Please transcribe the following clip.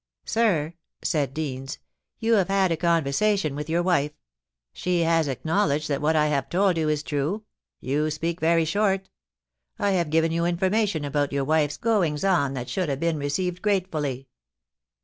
* Sir,' said Deans, * you have had a conversation with your wife; she has acknowledged that what I have told you is true. You speak very short I have given you information about your wife's goings on that should ha' been received gratefully.